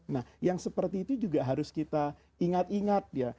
nah yang seperti itu juga harus kita ingat ingat ya